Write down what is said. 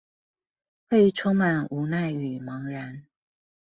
會充滿無奈與茫然